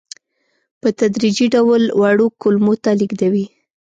په تدریجي ډول وړو کولمو ته لېږدوي.